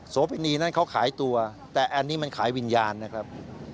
โพินีนั้นเขาขายตัวแต่อันนี้มันขายวิญญาณนะครับ